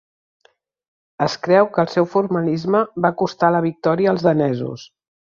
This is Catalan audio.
Es creu que el seu formalisme va costar la victòria als danesos.